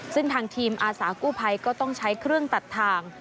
ซึ่งทางทีมอาสากู้ภัยก็ต้องใช้เครื่องตัดทาง